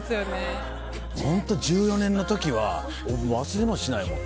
ホント２０１４年の時は忘れもしないもん。